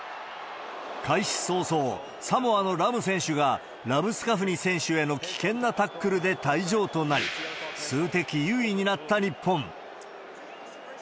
開始早々、サモアのラム選手がラブスカフニ選手への危険なタックルで退場となり、数的優位になった日本。